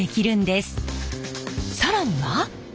更には。